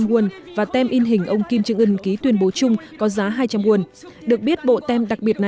hai trăm linh won và tem in hình ông kim jong un ký tuyên bố chung có giá hai trăm linh won được biết bộ tem đặc biệt